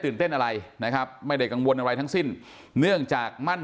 เต้นอะไรนะครับไม่ได้กังวลอะไรทั้งสิ้นเนื่องจากมั่น